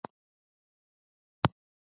زده کړه ښځه د اقتصاد په اړه معلومات لري.